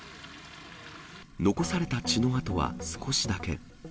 残された血の跡は少しだけ。